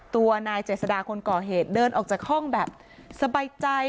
ตัวนายเจษดาคนก่อเหตุเดินออกจากห้องแบบสบายใจ